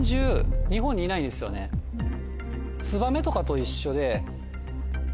ツバメとかと一緒で。